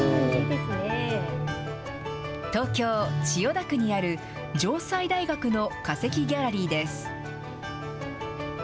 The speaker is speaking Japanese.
東京・千代田区にある城西大学の化石ギャラリーです。